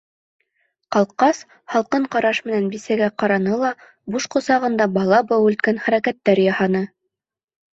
Ҡалҡҡас, һалҡын ҡараш менән бисәгә ҡараны ла, буш ҡосағында бала бәүелткән хәрәкәттәр яһаны.